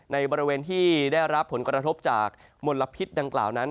ในบริเวณที่ได้รับผลกระทบจากมลพิษดังกล่าวนั้น